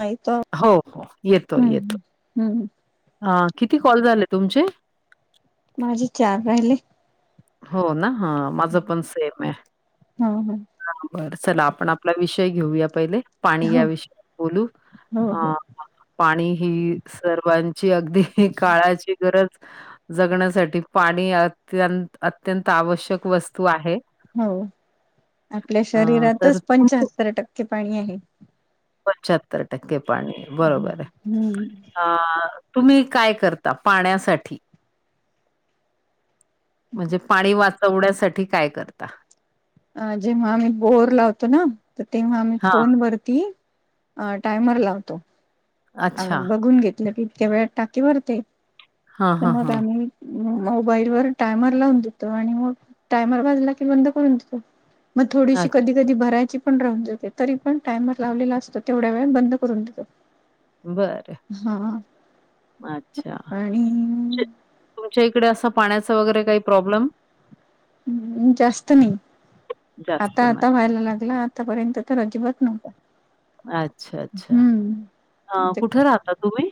नाही तर हो, हो, येतोय, हम्म येतोय हम्म अं किती कॉल झाले तुमचे? माझे चार राहिले. होना, हा माझ पण सेम ये. हो हो बर चला, आपण आपला विषय घेऊया पहिले पाणी या हो विषयी बोलू हो अ हो पाणी ही सर्वांची अगदी काळाची गरज जगण्यासाठी पाणी अत, अत्यंत आवश्यक वस्तू आहे. हो, आपल्या अ, तर शरीरातच पंचाहत्तर टक्के पाणी आहे. पंच्याहत्तर टक्के पाणीय बरोबर ह. हम्म अ तुम्ही काय करता? पाण्यासाठी. म्हणजे पाणी वाचवण्यासाठी काय करता? अं जेव्हा आम्ही बोर लावतो ना, तर तेव्हा आम्ही हां, फोनवरती अ टायमर लावतो. अच्छा. आम्ही बघून घेतलं, की ईतक्या वेळात टाकी भरते हां, तर हां, मग हां. आम्ही मोबाईल वर टायमर लावून देतो, आणि मग टायमर वाजला की बंद करून देतो. मग थोडीशी कधी कधी भरायची पण राहून जाते तरी पण टायमर लावलेला असतो तेवढ्या वेळात बंद करून देतो. बरं. हा, अच्छा. म्हणजे आणि तुमच्या इकडे असं पाण्याच वगैरे काही प्रॉब्लेम? हम्म जास्त नाही जास्त आता, नाही. आता व्हायला लागला. आतापर्यंत तर अजिबात नव्हता. अच्छा, अच्छा हम्म अं ते कुठे राहता तुम्ही?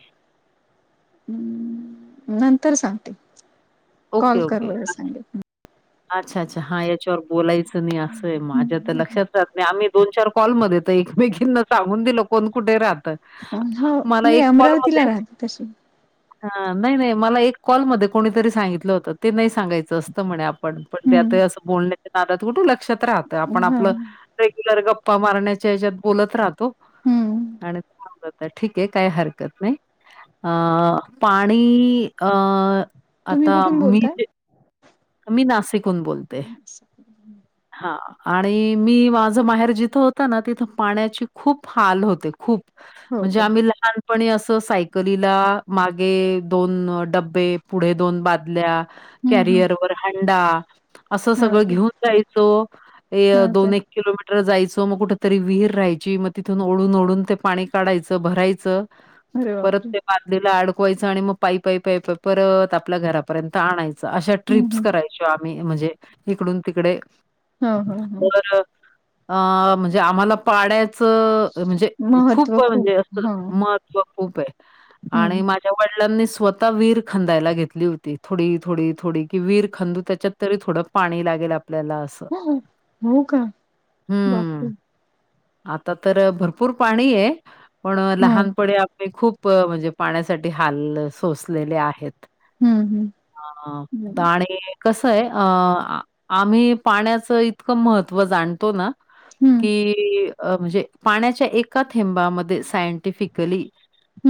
हम्म नंतर सांगते. ओके, कॉल ओके, करूवर सांगेल. अच्छा, अच्छा हां ह्याच्यावर बोलायचं नाही असय माझ्या तर लक्षात लक्षात नाही आम्ही दोन, चार कॉलमध्ये तर एकमेकींना सांगून दिलं कोण कुठे राहतं? अं हो मला मी एक अमरावतीला कॉलमध्ये राहतो तशी. हां नाही, नाही मला एक कॉलमध्ये कोणीतरी सांगितलं होतं, ते नाही सांगायचं असतं म्हणे पण, पण त्यात हम्म असं बोलण्याच्या नादात कुठं लक्षात राहत आपण ह आपलं रेग्युलर गप्पा मारण्याच्या हच्यात बोलत राहतो हम्म आणि तर ठीक आहे काय हरकत नाही, अ पाणी अं. तुम्ही कुठून बोलताय? मी नाशिकहून बोलतेय हा. आणि मी माझं माहेर जिथं होत ना, तिथं पाण्याची खूप हाल होते खूप हो म्हणजे का आम्ही लहान. पण असं सायकलीला मागे, दोन डबे, पुढे दोन बादल्या हम्म हम्म कॅरियर वर हंडा असं सगळं हो का घेऊन जायचो हे हो का दोन, एक किलोमीटर जायचं मग कुठ तरी, विहीर राहायची मग तिथून ओढून, ओढून ते पाणी काढायचं भरायच अरे परत बापरे ते तेला अडकवायचं आणि मग पयी, पायी, पायी प परत आपल्या घरापर्यंत आणायच असं हम्म ट्रिप्स हम्म करायचो आम्ही म्हणजे, इकडून तिकडे. ह, ह, ह अ म्हणजे आम्हाला पाड्यात च अ म्हणजे महत्त्व खूप म्हणजे अस हा महत्व खूप आहे हम्म आणि मा ज्या वडिलांनी स्वतः विहीर खंदायला घेतली होती, थोडी थोडी थोडी. कि विहिर खांंदू त्याच्यात तरी थोडं पाणी लागेल आपल्याला अस हो का? हं. बापरे. आता तर भरपूर पाणी आहे. पण हम्म लहानपणी आ मी खूप म्हणजे पाण्यासाठी हाल सोसलेले आहेत. हम्म हम्म हा आणि कसं आहे, आम्ही पाण्याचं इतकं महत्त्व जाणतो ना हम्म कि म्हणजे पाण्याच्या एका थेंबामध्ये सायंटिफि कली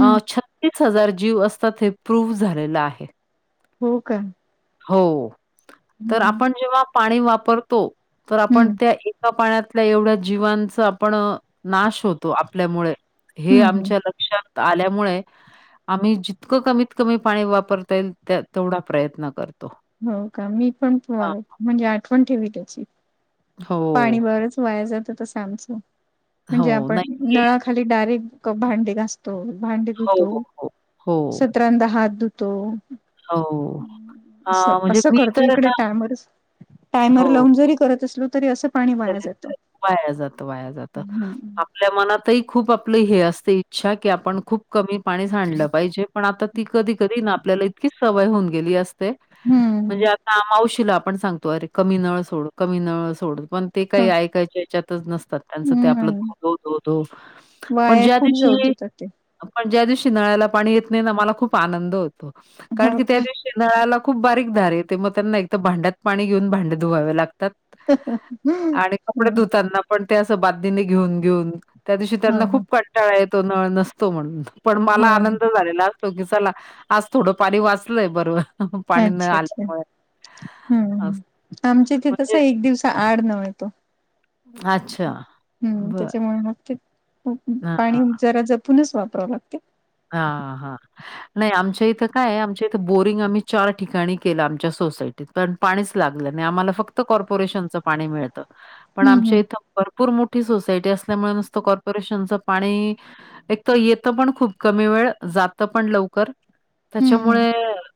अ छत्तीस हजार जीव असतात, हे प्रूव झालेलं आहे. हो का? हो, तर हं, आपण जेव्हा पाणी वापरतो, तर हं, आपण त्या त्या पाण्यातल्या एवढ्या जीवांचं आपण नाश होतो आपल्यामुळे, हे हं, हं. आमच्या ल क्षात आल्यामुळे आम्ही जितकं कमीत कमी पाणी वापरता येईल, त्या तेवढा प्रयत्न कर हो का? मी पण मग म्हणजे आठवण ठेवी त्याची. हो, पाणी बरच वाया जातं तसं आमचं, म्हणजे हो. आपण. नाही हे नळाखाली डायरेक्ट भांडी घासतो, भांडी हो, धुतो हो, हो, स त्रंदा हात धुतो. हो. अ, अस म्हणजे असं मी करतो तर इकडे ना टायमवरच टायमर हो. लावून जरी करत असलो तरी असं पाणी वाया जातं. वाया जातं वाया जातं हं, आ आपल्या मनातही खूप आपलं हे असते इच्छा की, आपण खूप कमी पाणी साडलं पाहिजे. पण आता ती कधी कधी ना आपल्याला इतकी सवय होऊन गेली असते, म्हणजे हं, हं. का मावशीला आपण सांगतो, अरे कमी नळ सोड कमी नळ सोड पण ते काही हं, ऐकायचे च्यातच नसतात, त्याचं ते आपलं नाही धो धो धो, पण वाया ज्या खूप जाऊ दिवशी देतात ते. पण ज्या दिवशी नळाला पाणी येत नाही ना, मला खूप आनंद होतो, कारण हो की त्या का? दिवशी नळाला खूप बारीक धार येते, मग त्यांना एकतं भांड्यात पाणी घेऊन भांडे धुवावे लागतात. हं, आणि कपडे हं, धुतांना पण ते असं बादलीने घेऊन घेऊन, त्या दिवशी त्यांना खूप हं, काट टाळ येतो नळ नसतो म्हणून, पण मला हं. आनंद झालेला तो की चला, आज थोडं पाणी वाचलंय बर अच्छा अच्छा, हम्म असं हम्म, आमच्या इथं म्हणजे कसंय एक दिवसा आड नळ येतो. अच्छा हम्म, बरं. त्याच्यामुळे मग ते, हां, हां. पाणी जरा जपूनच वापरावं लागते. हा हा नाही आमच्या इथं काय आहे, आमच्या इथं बोरिंग आम्ही चार ठिकाणी केलं आमच्या सोसाय त पण पाणीच लागलं नाही, आम्हाला फक्त कॉर्पोरेशनचं पाणी मिळतं. पण हम्म आमच्या हम्म. इथं भरपूर मोठी सोसायटी असल्यामुळे नुसतं कॉर्पो रेशनचं पाणी, एकतर येतं पण खूप कमी वेळ, जातं पण लवकर. हम्म हम्म. त्याच्यामुळे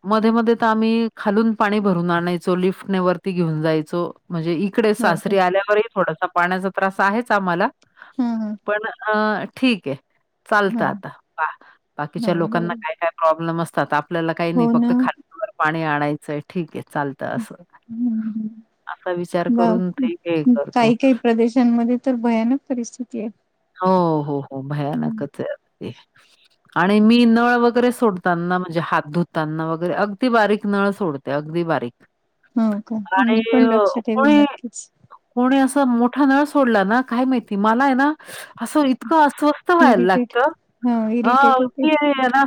मध्ये मध्ये तर आम्ही खालून पाणी भरून आणायचो, लिफ्टने वरती घेऊन जायचो, म्हणजे इ कडे हो काय? सासरी आल्यावरही थोडासा पाण्याचा त्रास आहेच आम्हाला, हां हां. पण अ ठीक आहे चालतं हां. आता, बाकीच्या हां लोकांना बरोबर. काय काय प्रॉब्लेम असतात, आ पल्याला काही नाही, हो ना. फक्त खालून वर पाणी आणायचंय. ठीक आहे चालतं असं, हम्म हम्म. असा विचार करून बाप ते हे करतो. काही काही प्रदेशांमध्ये तर भयानक परस्थिती आहे. हो हो हो, हम्म. भयानकच आहे अगदी. आणि मी नळ वगैरे सोडतांना म्हणजे हात धुतांना वगैरे अगदी बारीक नळ सोड ते अगदी बारीक. हो का? आणि मी पण अ, लक्ष ठेवीन कोणी नक्कीच. कोणी असं मोठा नळ सोडला ना, काय माहिती मला आहे ना, असं इतकं असं‌ स्थ व्हायला इरिटेट लागत हो इरिटेट होते.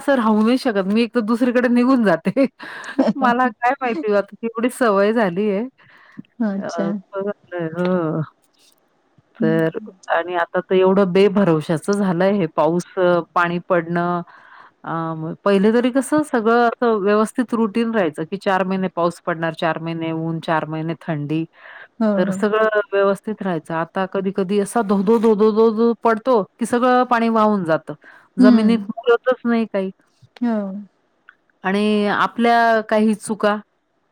सर राहऊ नाही शकत मी एक तर दुसरीकडे निघून जाते मला काय माहिती एवढ सवय झालीय अ अच्छा. झालंय हम्म. तर आणि आ आ तर एवढं बेभरवशाच झालंय आहे पाऊस पाणी पडणं ह पहिले तरी कस सगळं अस व्यवस्थित रुटीन राहायचं की चार महिने पाऊस पडणार चार महिने ऊन चार महिने थंडी हो तर हो. सगळं व्यवस्थित राहायचं आता कधी कधी असा धोधोधो धो धो धो पडतो की सगळ पाणी वाहून जात हम्म. जमिनीत मुतच नाही काही हो आणि आपल्या काही चुका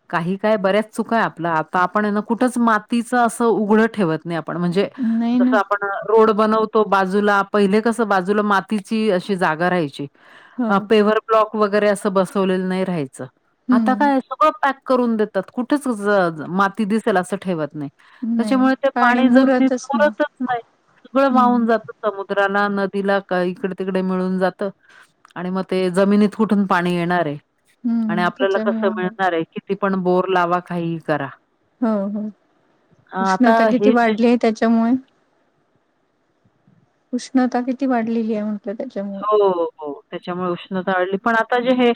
काही काय बऱ्याच चुक आहे आपलं आता आपण ना कुठंच मातीचं असं उघडं ठेवत आपण म्हणजे नाही जस ना. आपण रोड बनवतो बाजूला पहिले कस बाजूला मातीची अशी जागा राहायची हो. पेवर ब्लॉक वगैरे अस बसवलेलं नाही राहायचं आता हम्म. काय सगळं पॅक करून देतात कुठेच माती दिसेल असं ठेवत नाही नाही त्याच्यामुळे ते पाणी जमनीत मुरतच नाही. मुरतच नाही सगळं हम्म वाहून जात समुद्राला नदीला का इकडे तिकडे मिळून जात आणि मग ते जमिनीत कुठून पाणी येणार आहे आणि हम्म आपल्याला कसं त्याच्यामुळे हो मिळणार आहे किती पण बोर लावा काही करा हो हो अ, आता उष्णता हे किती जे वाढली आहे त्याच्यामुळे उष्णता किती वाढलेली आहे म्हट त्याच्या हो हो त्याच्यामुळे उष्णता आढली पण आता जे हम्म हे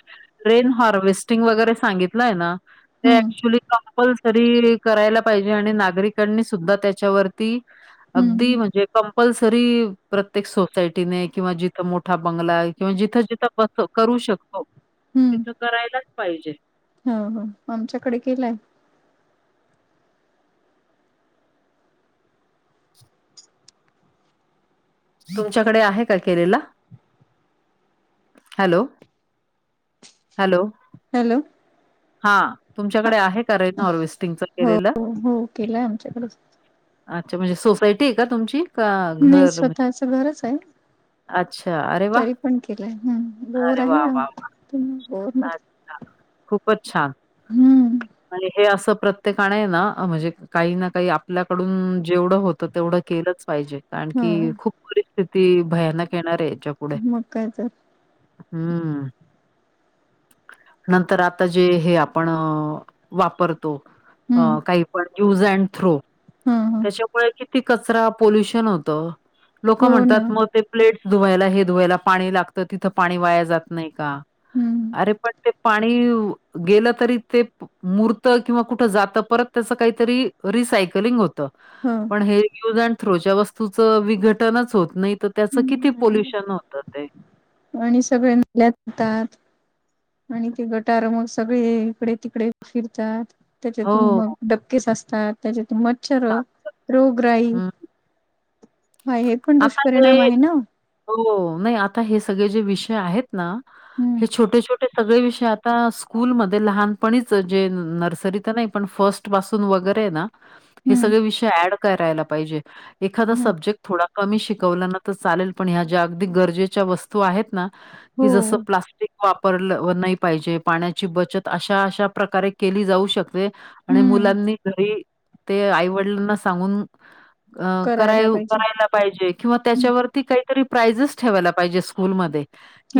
रेन हार्वेस्टिंग वगैरे सांगितलंय ना ते ऍक्च्युली कपल्सरी करायला पाहिजे आणि नागरिकांनी सुद्धा त्याच्यावरती अगदी हम्म म्हणजे कंपल्सरी प्रत्येक सोसायटीने किंवा ज त मोठा बंगला किंवा जिथं जिथं बस करू शकतो तिथं करायलाच पाहिजे ह ह आमच्याकडे केलाय तुमच्याकडे आहे का केलेलं हॅलो हॅलो हॅलो हा तुमच्याकडे आहे का रेन हॉर्वेस्टिंगच हो केलेलं हो केलाय आमच्याकडे अच्छा म्हणजे सोसायटी आहे का तुमची का नाही घर म्हणजे? स्वतःचं घरच आहे अच्छा. अरे वाह! तरी पण केलंय हम् बोर अरे आहे वाह, वाह, वाह! [unintelligible] अच्छा. खूपच छान. हम्म आणि हे असं प्रत्येक आणि आहे ना म्हणजे काही ना काही आपल्याकडून जेवढं होतं तेवढं केलंच पाहिजे कारण हो की खूप परिस्थिती भयानक येणार आहे हिच्या मग काय तर हम्म नंतर आता जे हे आपण ह वापरतो अ हम्म काही पण यूज अँड थ्रो हा हा त्याच्यामुळे किती कचरा पोल्युशन होत लोक हो ना म्हणतात मग ते प्लेट्स धुवायला हे धुवायला पाणी लागतं तिथं पाणी वाया जातं नइं का हम्म अरे पण ते पाणी गेलं तरी ते मुर्त किंवा कुठ जात परत त्याच काहीतरी रिसायकलिंग होत हम पण हे युज अड थ्रोच्या वस्तूचं विघटनच होत नाही तर त्याचं किती पॉोल्युशन होतं ते आणि सगळे नल्यात जातात आणि ते गटार मुळे सगळे इकडे तिकडे फिरतात त्याच्यातून हो, मग डबके साचतात त्याच्यात मच्छर सांग. रोग राई हं. आता ते हो नाही आता हे सगळे जे विषय आहेत ना हम्म हे छोटे छोटे सगळे विषय आता स्कूलमध्ये लहानपणीच जे नर्सरी तर नाही पण फस्ट पासून वगैरे ना हे हम्म सगळे विषय अँड करायला पाहिजे एखादा ह सब्जेक्ट थोडा मी शिकवलाना तर चालेल पण या जागतिक गरजेच्या वस्तू आहेत ना हो जस जागतिक ् वापरलं नाही पाहिजे पाण्याची बचत अशा अशा प्रकारे केली जाऊ शकते आणि हम्म मुलांनी जरी ते आईवडिलांना सांगून अ करायला कराइव पाहिजे करायला पाहिजे किंवा हम्म त्याच्यावरती कायतरी प्रायजएस ठेवायला पाहिजे स्कूल मध्ये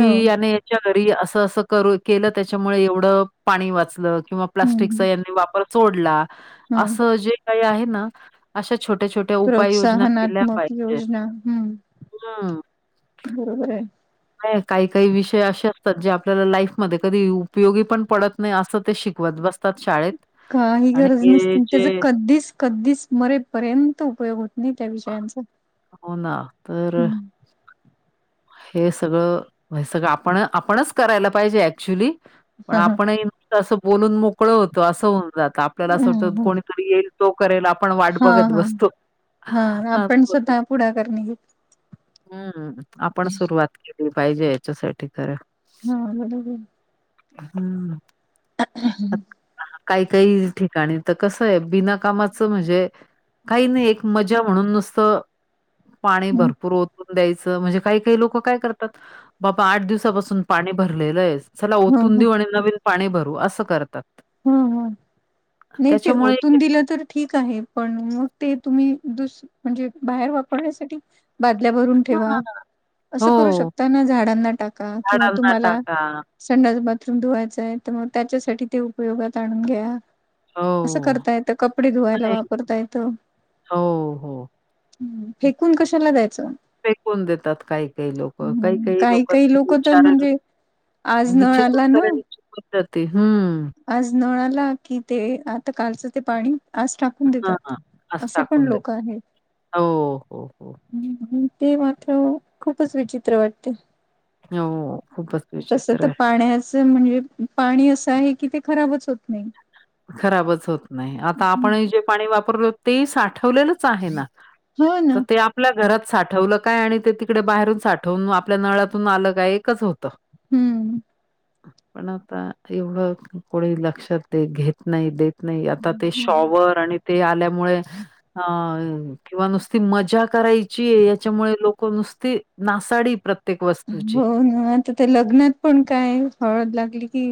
हो याने च्या घरी असं अस करू केलं त्याच्यामुळे एवढं पाणी वाचलं किंवा हम्म प्लास्टिकचा हम्म वापर सोडला हा असं जे काही आहे ना अशा छोट्या छोट्या प्रोत्साहनात्मक योजना हम्म हम बरोबर आहे नाही काही काही विषय असे असतात जे आपल्याला लाईफ मध्ये कधी उपयोगी पण पडत नाही असं ते शिकवत बसत तात शाळेत काही आणि गरज हे नसती अन् ते जे कधीच कधीच मरेपर्यंत उपयोग होत त्या विषयांचं हो ना, तर हम हे सगळं सगळं आपण आपणच करायला पाहिजे ऍक्च्युली पण हा आपण असं बोलून मोकळं होतं असं होऊन जात आपल्याला असं वाटत कोणीतरी येईल तो करेल आपण वाट हा हा बघत हा बसतो हा आपण स्वतः पुढाकार नाही घेत. हम्म आपण सुरुवात केली पाहिजे याच्यासाठी खरं हा [unintelligible] हम्म [unintelligible] काइं काइं ठिकाणी तर कसंय बिनाकामाचं म्हणजे काही नाही एक मजा म्हणून नुसतं पाणी हं भरपूर होत द्यायच म्हणजे काही काही लोक कायतात बाबा आठ दिवसापासून पाणी भरलेलंय चला ओतून हा हा तुदिऊ आणि नवीन पाणी भरू असं करतात ह ह नाही ते त्याच्यामुळे ओतून दिलं तर ठीक आहे पण मग ते तुम्ही दुस म्हणजे बाहेर वापरण्यासाठी बादल्या भरून ठेवा हां. असं करू हो, शकता ना झाडांना टाका किंवा झाडांना तुम्हाला टाका. संडाचा बाथरूम धुवायचा आहे तर मग त्याच्यासाठी ते उपयोगात आणून घ्या असं हो. करता येतं कपडे धुवायला नाही. वापरता येत हो हो फेकून कशाला जायचं फेकून देतात काही काही लोक काही काही लोक विचार आज नळ विचार आला ना करण्याची पद्धती आहे हम्म आज नळाला कि ते आता कालचं ते पाणी आज टाक देतात हां, असं असे पण टाकून लोक देतात. आहेत हो, हो, हो. ते मात्र खूपच विचित्र वाटते हो ख तस तर पाण्याच म्हणजे पाणी असं आहे की ते खराबच होत नाही ह खराबच होत नाही आता आपण हम्म. जे पाणी वापरल ते साठवलेलंच आहे ना हो ना तर ते आप आपल्या घरात साठवलं काय आणि ते तिकडे बाहेरून साठवून आपल्या नळ्याातून आलं काय एकच होतं हम्म पण आता एवढं कोणी लक्षात द घेत नाही देत नाही आता ते शॉवर आणि ते आल्यामुळे अ किंवा नुसती मजा करायची याच्यामुळे लोक नुसती नासाडी प्रत हो ना आता त्या लग्नात पण काय हळद लागली की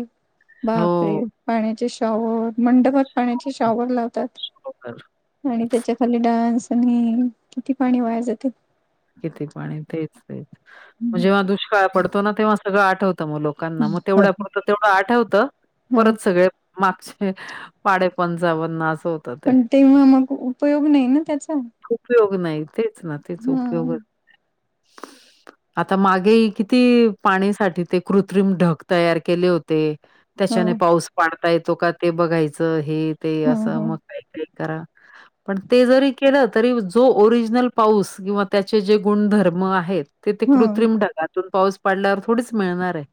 हो. बापरे पाण्याचे शॉवर. मंडपात पाण्याचे शॉवर लावतात आणि त्याच्या खाली डान्स आणि किती पाणी वाया जातेय. किती पाणी तेच तेच हम्म. जेव्हा दुष्काळ पडतो ना तेव्हा सगळं आठवतं मग लोक लकांना मग तेवढ्या पुरतं तेवढं आठवतं हा परत सगळे मागचे पाडे पंचावन्न असं होतं. ते. पण तेव्हा मग उपयोग नाही ना त्याचा. उपयोग नाही तेच ना तेच हा. उपयोगच आता मागे किती पाणीसाठी ते कृत्रिम ढग तयार केले होते. त्याच्याने हो. पाऊस पाडता येतो का ते बघायचं हे ते हो. असं हो. मग करा पण ते जरी केलं तरी जो ओरिजिनल पाऊस किंवा त्याचे जे गुणधर्म आहेत ते हो. कृत्रिम ढगातून पाऊस पडल्यावर थोडीच मिळणार आहे.